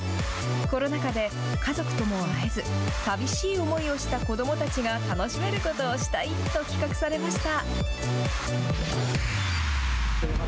コロナ禍で家族とも会えず、寂しい思いをした子どもたちが楽しめることをしたいと企画されました。